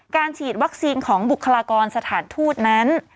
ฉีดวัคซีนของบุคลากรสถานทูตนั้น